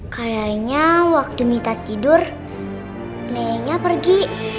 kayaknya waktu minta tidur neneknya pergi